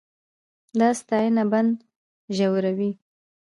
دا ستاینه بند ژوروي.